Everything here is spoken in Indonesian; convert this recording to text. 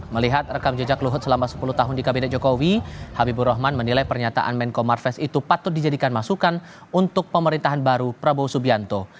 melihat rekam jejak luhut selama sepuluh tahun di kabinet jokowi habibur rahman menilai pernyataan menko marves itu patut dijadikan masukan untuk pemerintahan baru prabowo subianto